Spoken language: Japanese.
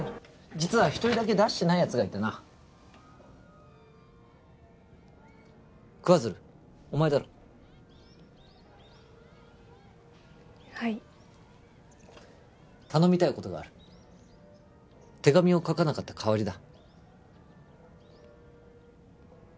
実は１人だけ出してないヤツがいてな桑鶴お前だろはい頼みたいことがある手紙を書かなかった代わりだ